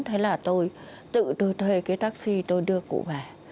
thế là tôi tự tôi thuê cái taxi tôi đưa cụ về